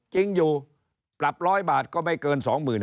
จริงอยู่ปรับ๑๐๐บาทก็ไม่เกิน๒๕๐